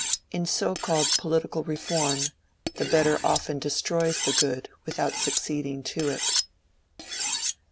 In so called political reform the better often destroys the good without succeeding to it.